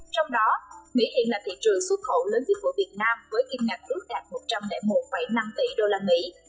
trong đó mỹ hiện là thị trường xuất khẩu lớn dịch vụ việt nam với kiên ngạch ước đạt một trăm linh một năm tỷ đô la mỹ